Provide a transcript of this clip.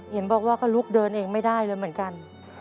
เห็นบอกว่าก็ลุกเดินเองไม่ได้เลยเหมือนกัน